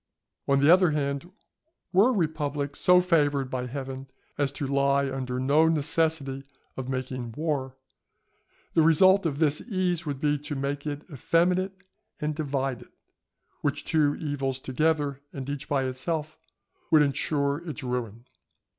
On the other hand, were a republic so favoured by Heaven as to lie under no necessity of making war, the result of this ease would be to make it effeminate and divided which two evils together, and each by itself, would insure its ruin.